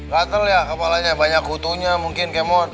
gatel ya kepalanya banyak kutunya mungkin kemot